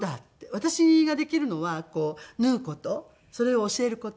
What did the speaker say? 私ができるのは縫う事それを教える事。